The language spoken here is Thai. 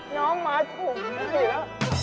ผมไม่ได้นอนไหนวะ